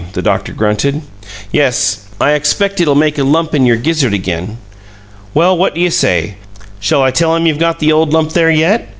the doctor grunted. "Yes, I expect it'll make a lump in your gizzard again. Well, what do you say? Shall I tell him you've got the old lump there yet?